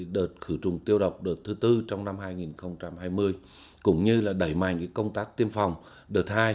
đợt khử trùng tiêu độc đợt thứ tư trong năm hai nghìn hai mươi cũng như là đẩy mạnh công tác tiêm phòng đợt hai